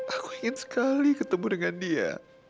aku ingin sekali ketemu dengan dia